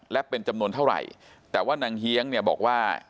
และเป็นจำนวนเท่าไหร่แต่ว่านางเฮียงเนี่ยบอกว่า